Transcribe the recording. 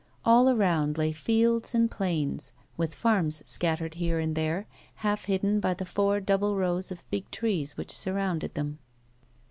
All around lay fields and plains with farms scattered here and there, half hidden by the four double rows of big trees which sur rounded them.